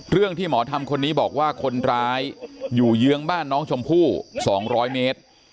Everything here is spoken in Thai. ที่หมอทำคนนี้บอกว่าคนร้ายอยู่เยื้องบ้านน้องชมพู่๒๐๐เมตร